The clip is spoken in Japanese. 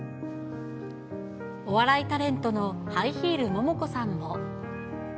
お笑いタレントのハイヒール・モモコさんも。